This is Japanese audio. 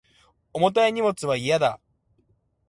重たい荷物は嫌だ